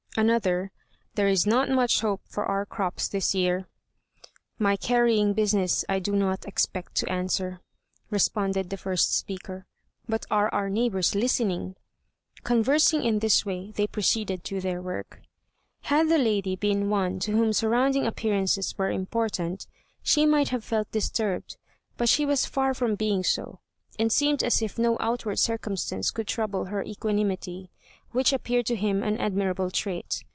Another, "There is not much hope for our crops this year." "My carrying business I do not expect to answer," responded the first speaker. "But are our neighbors listening!" Conversing in this way they proceeded to their work. Had the lady been one to whom surrounding appearances were important, she might have felt disturbed, but she was far from being so, and seemed as if no outward circumstances could trouble her equanimity, which appeared to him an admirable trait.